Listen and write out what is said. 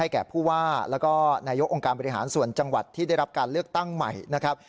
แก่ผู้ว่าแล้วก็นายกองค์การบริหารส่วนจังหวัดที่ได้รับการเลือกตั้งใหม่นะครับ